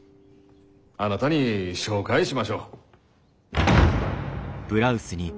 あなたに紹介しましょう。